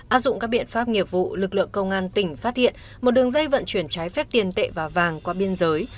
áp dụng các biện pháp nghiệp vụ lực lượng công an tỉnh phát hiện một đường dây vận chuyển trái phép tiền tệ và vàng qua biên giới